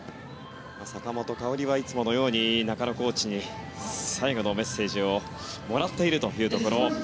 坂本花織はいつものように中野コーチに最後のメッセージをもらっているというところ。